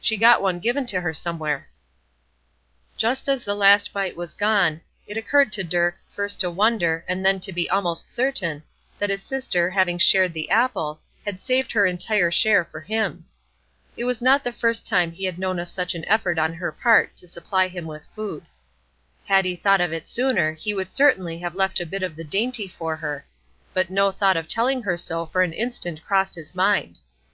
She got one give to her somewhere." Just as the last bite was gone, it occurred to Dirk, first to wonder, and then to be almost certain, that his sister, having shared the apple, had saved her entire share for him. It was not the first time he had known of such an effort on her part to supply him with food. Had he thought of it sooner he would certainly have left a bit of the dainty for her; but no thought of telling her so, for an instant crossed his mind.